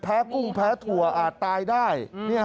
กุ้งแพ้ถั่วอาจตายได้